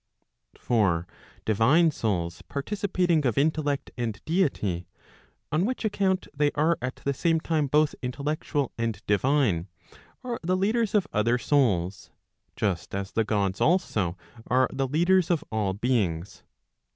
For divine souls participating of intellect and deity, on which account, they are at the same time both intellectual and divine, are the leaders of other souls, just as the Gods also are the leaders of all beings.